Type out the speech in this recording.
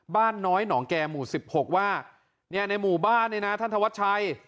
บ้านน้อยหนองแก่หมู่๑๖ว่าเนี่ยในหมู่บ้านเนี่ยนะท่านธวัชชัย